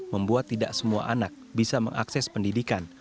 membuat tidak semua anak bisa mengakses pendidikan